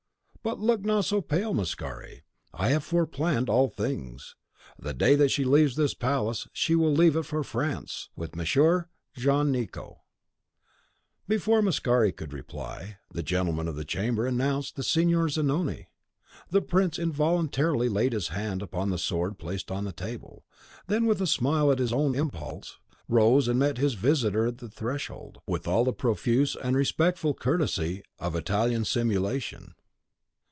But look not so pale, Mascari; I have foreplanned all things. The day that she leaves this palace, she will leave it for France, with Monsieur Jean Nicot." Before Mascari could reply, the gentleman of the chamber announced the Signor Zanoni. The prince involuntarily laid his hand upon the sword placed on the table, then with a smile at his own impulse, rose, and met his visitor at the threshold, with all the profuse and respectful courtesy of Italian simulation.